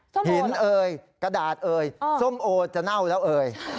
หินเอ่ยกระดาษเอ่ยส้มโอจะเน่าแล้วเอ่ย